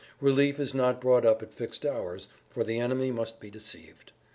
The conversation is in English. [Pg 138] Relief is not brought up at fixed hours, for the enemy must be deceived.